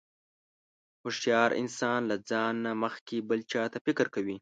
هوښیار انسان له ځان نه مخکې بل چاته فکر کوي.